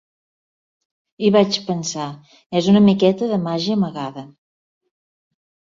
I vaig pensar, és una miqueta de màgia amagada.